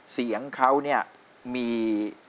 เสียงเขาเนี่ยมีตัวโน้ต